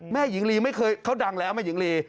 หญิงลีไม่เคยเขาดังแล้วแม่หญิงลี